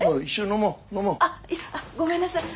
あっいやごめんなさい。